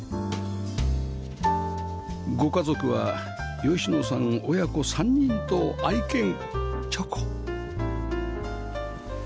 ご家族は吉野さん親子３人と愛犬ちょこ